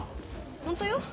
本当よ。